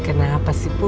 kenapa sih put